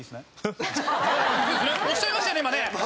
おっしゃいましたよね今ね！